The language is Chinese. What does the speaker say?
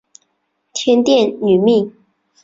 天钿女命。